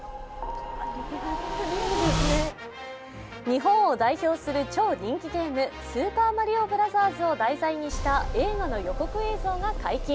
日本を代表する超人気ゲーム「スーパーマリオブラザーズ」を題材にした映画の予告映像が解禁。